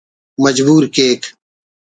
مجبور کیک